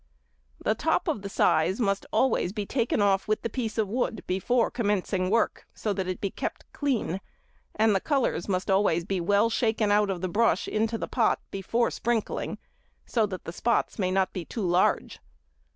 The top of the size must always be taken off with the piece of wood before commencing work, so that it be kept clean, and the colours must always be well shaken out of the brush into the pot before sprinkling, so that the spots may not be too large.